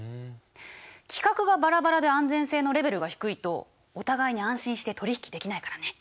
規格がバラバラで安全性のレベルが低いとお互いに安心して取り引きできないからね。